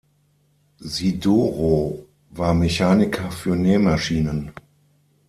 Sidorow war Mechaniker für Nähmaschinen.